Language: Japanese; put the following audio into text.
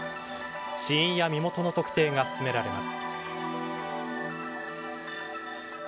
死因や身元の特定が進められます。